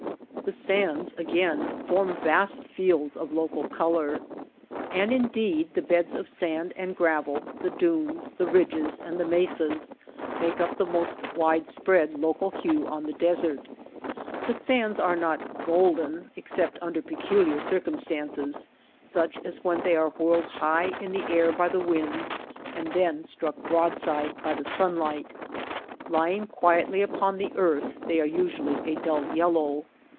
The sands, again, form vast fields of local color, and, indeed, the beds of sand and gravel, the dunes, the ridges, and the mesas, make up the most widespread local hue on the desert. The sands are not *^ golden, ^^ except under peculiar circumstances, such as when they are whirled high in the air by the winds, and then struck broadside by the sunlight. Lying quietly upon the earth they are usually a dull yellow.